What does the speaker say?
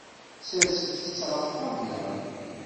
Serset-t ɣef ṭṭabla.